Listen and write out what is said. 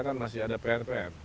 kan masih ada pr pr